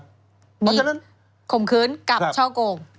นี่แก่คุมคืนกับเช้าโกง